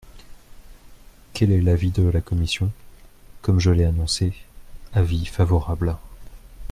Quel est l’avis de la commission ? Comme je l’ai annoncé, avis favorable.